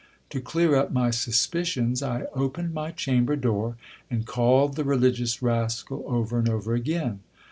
To clear up my suspicions, I opened my chamber door, and called the religious rascal over and over again.